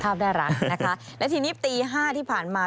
น่ารักนะคะและทีนี้ตีห้าที่ผ่านมา